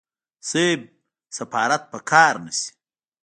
صيب سفارت په قار نشي.